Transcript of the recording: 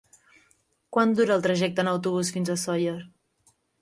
Quant dura el trajecte en autobús fins a Sóller?